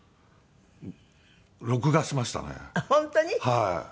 はい。